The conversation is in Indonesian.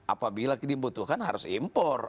apabila dibutuhkan harus impor